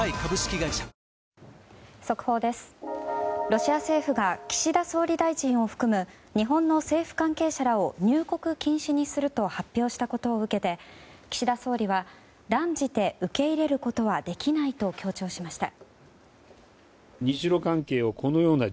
ロシア政府が岸田総理大臣を含む日本の政府関係者らを入国禁止にすると発表したことを受けて岸田総理は断じて受け入れることはできないと強調しました。